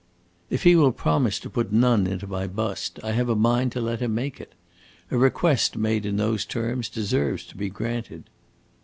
"If he will promise to put none into my bust, I have a mind to let him make it. A request made in those terms deserves to be granted."